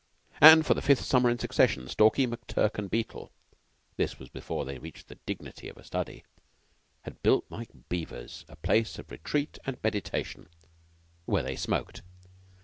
And for the fifth summer in succession, Stalky, McTurk, and Beetle (this was before they reached the dignity of a study) had built like beavers a place of retreat and meditation, where they smoked.